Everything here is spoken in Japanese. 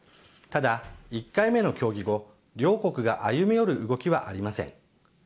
ただ、１回目の協議後両国が歩み寄る動きはありません。